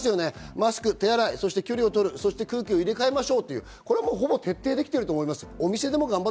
マスク、手洗い、距離をとる、空気を入れ換えましょう、これはほぼ、徹底できていると思います。